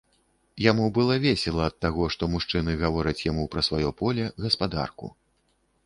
Яму было весела ад таго, што мужчыны гавораць яму пра сваё поле, гаспадарку.